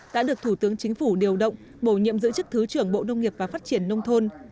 đã được thủ tướng chính phủ điều động bổ nhiệm giữ chức thứ trưởng bộ nông nghiệp và phát triển nông thôn